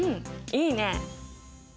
いいね！